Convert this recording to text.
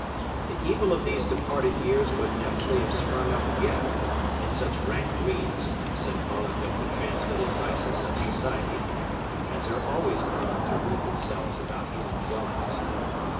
The evil of these departed years would naturally have sprung up again, in such rank weeds (symbolic of the transmitted vices of society) as are always prone to root themselves about human dwellings.